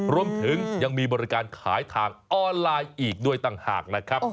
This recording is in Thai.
รวมถึงยังมีบริการขายทางออนไลน์อีกด้วยต่างหากนะครับ